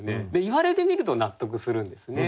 言われてみると納得するんですね。